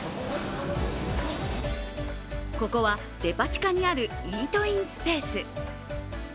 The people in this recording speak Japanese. ここはデパ地下にあるイートインスペース。